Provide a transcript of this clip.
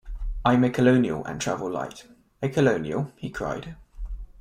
“I’m a colonial and travel light.” “A colonial,” he cried.